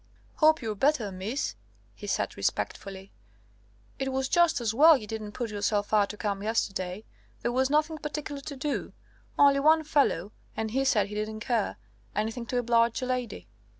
"Hope you're better, miss," he said respectfully. "It was just as well you didn't put yourself out to come yesterday; there was nothing particular to do. Only one fellow, and he said he didn't care; anything to oblige a lady!"